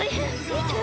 見て。